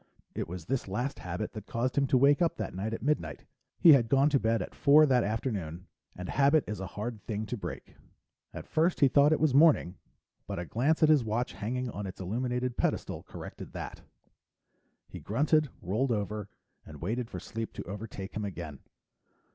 It was this last habit that caused him to wake up that night at midnight; he had gone to bed at four that afternoon and habit is a hard thing to break. At first he thought it was morning, but a glance at his watch hanging on its illuminated pedestal corrected that. He grunted, rolled over, and waited for sleep to overtake him again.